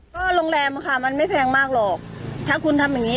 ก็โรงแรมค่ะมันไม่แพงมากหรอกถ้าคุณทำอย่างงี